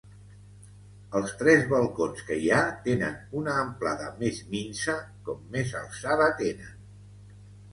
Els tres balcons que hi ha tenen una amplada més minsa com més alçada tenen.